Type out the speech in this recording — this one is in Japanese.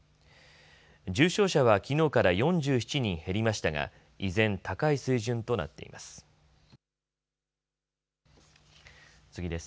重症者はきのうから４７人減りましたが依然、高い水準となっています。